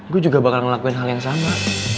gue juga bakal ngelakuin hal yang sama